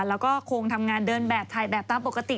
แล้วก็คงทำงานเดินแบบถ่ายแบบตามปกติ